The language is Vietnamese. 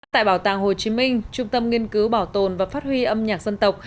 tại bảo tàng hồ chí minh trung tâm nghiên cứu bảo tồn và phát huy âm nhạc dân tộc